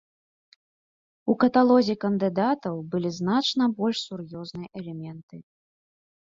У каталозе кандыдатаў былі значна больш сур'ёзныя элементы.